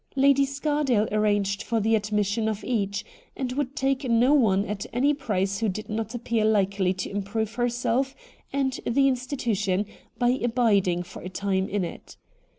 Lady Scardale arranged for the admission of each, and would take no one at any price who did not appear hkely to improve herself and the institution by abiding for a time in it.